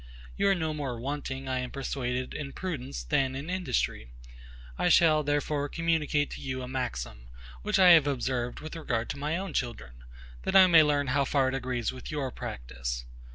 You are no more wanting, I am persuaded, in prudence, than in industry. I shall, therefore, communicate to you a maxim, which I have observed with regard to my own children, that I may learn how far it agrees with your practice.